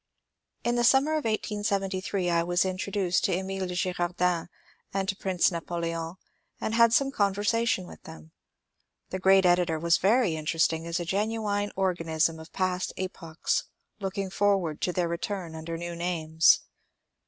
In the summer of 1878 I was introduced to Emile de Gi rardin and to Prince Napoleon, and had some conversation with them. The great editor was very interesting as a genuine organism of past epochs looking forward to their return under new names.